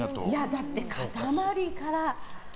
だって塊から。